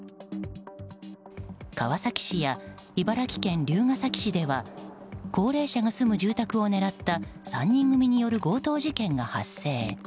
川崎市や茨城県龍ケ崎市では高齢者が住む住宅を狙った３人組による強盗事件が発生。